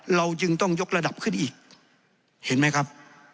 เราจึงต้องยกระดับขึ้นอีกเห็นไหมครับ